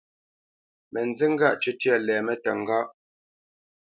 Mə nzí ŋgâʼ cwítyə́ lɛmə́ təŋgáʼ.